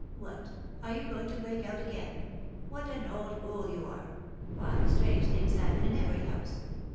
"What! Are you going to break out again? What an old fool you are! Why, strange things happen in every house.